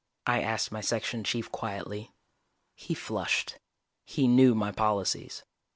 I asked my Section Chief quietly. He flushed. He knew my policies.